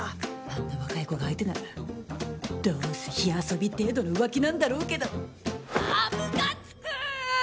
あんな若い子が相手ならどうせ火遊び程度の浮気なんだろうけどむかつく！